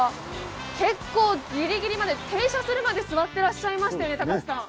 結構ぎりぎりまで停車するまで座ってらっしゃいましたね、孝さん。